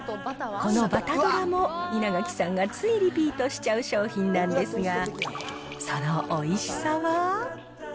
このバタどらも稲垣さんがついリピートしちゃう商品なんですが、そのおいしさは？